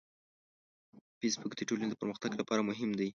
فېسبوک د ټولنې د پرمختګ لپاره مهم دی